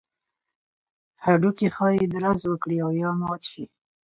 هډوکي ښایي درز وکړي او یا مات شي.